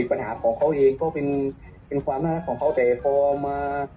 ปัญหาของเขาเองก็เป็นความน่ารักของเขาแต่พอมา